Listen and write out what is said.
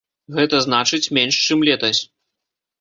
Гэта значыць, менш, чым летась.